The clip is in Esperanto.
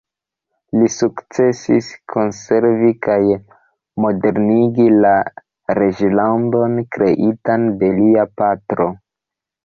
Li sukcesis konservi kaj modernigi la reĝlandon kreitan de lia patro.